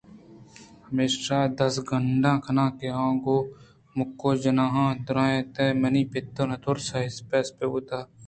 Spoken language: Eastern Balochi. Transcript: پمیشا دزکنڈ کنان ءُ کُوں مِکّ جنان ءَ درّائینت ئے منی پت نہ تُرسیں اپسے بُوتگ